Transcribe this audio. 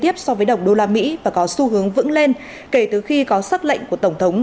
tiếp so với đồng đô la mỹ và có xu hướng vững lên kể từ khi có sắc lệnh của tổng thống